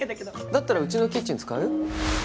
だったらうちのキッチン使う？